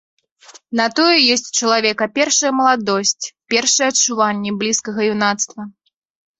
На тое ёсць у чалавека першая маладосць, першыя адчуванні блізкага юнацтва.